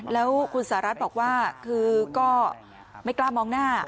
แล้วคุณสหรัฐบอกว่าคือก็ไม่กล้ามองหน้า